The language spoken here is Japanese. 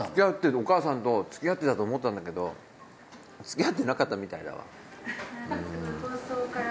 お母さんと付き合ってたと思ったんだけど付き合ってなかったみたいだわ。